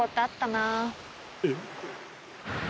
えっ。